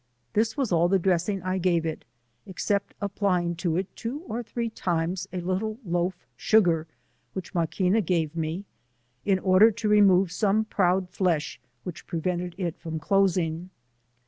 This was all the dressing [ gave it, except applying to it two or three times, a little loaf sugar, which Maquina gave me, in order to remove some proud flesb, which prevented it from closing.